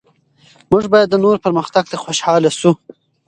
موږ باید د نورو پرمختګ ته خوشحال شو.